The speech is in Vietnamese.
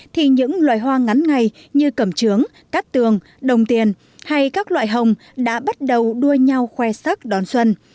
thì những loài hoa ngắn ngày như cẩm trướng cát tường đồng tiền hay các loại hồng đã bắt đầu đua nhau khoe sắc đón xuân